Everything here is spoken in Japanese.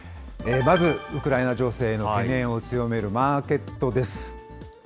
まず、ウクライナ情勢への懸念を強めるマーケットです。